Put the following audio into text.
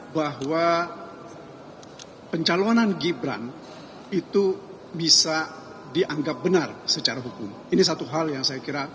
bahwa pencalonan gibran itu bisa dianggap benar secara hukum ini satu hal yang saya kira